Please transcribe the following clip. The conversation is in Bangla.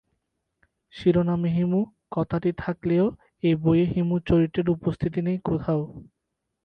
শিরোনামে 'হিমু' কথাটি থাকলেও এই বইয়ে হিমু চরিত্রের উপস্থিতি নেই কোথাও।